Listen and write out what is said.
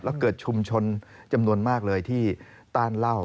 แล้วเกิดชุมชนจำนวนมากเลยที่ต้านเหล้า